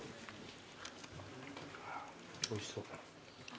おいしそう。